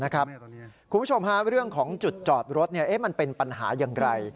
คุณผู้ชมเรื่องของจุดจอดรถมันเป็นปัญหาอย่างไร